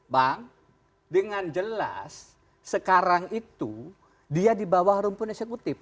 bang dengan jelas sekarang itu dia di bawah rumput eksekutif